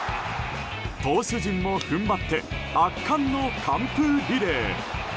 投手陣も踏ん張って圧巻の完封リレー。